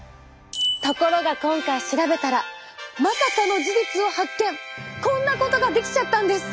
ところが今回調べたらこんなことができちゃったんです！